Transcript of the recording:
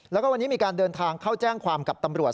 แล้วก็วันนี้มีการเดินทางเข้าแจ้งความกับตำรวจ